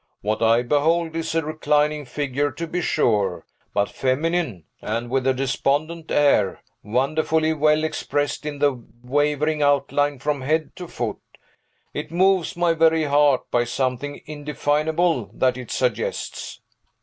What I behold is a reclining figure, to be sure, but feminine, and with a despondent air, wonderfully well expressed in the wavering outline from head to foot. It moves my very heart by something indefinable that it suggests."